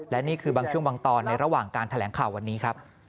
และนี่คือบางช่วงบางตอนในระหว่างการแถลงข่าววันนี้ครับ